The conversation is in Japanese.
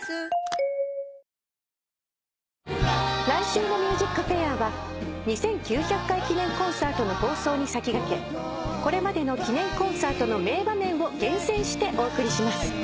来週の『ＭＵＳＩＣＦＡＩＲ』は２９００回記念コンサートの放送に先駆けこれまでの記念コンサートの名場面を厳選してお送りします。